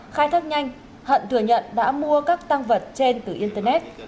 khai thác nhanh hận thừa nhận đã mua các tăng vật trên từ internet